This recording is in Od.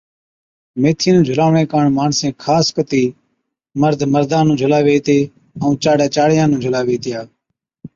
ميٿِي نُون جھُلاوَڻي ڪاڻ ماڻسين خاص ڪتِي مرد مردا نُون جھُلاوَي ھِتي ائُون چاڙي نُون چاڙِيا جھُلاوي ھِتيا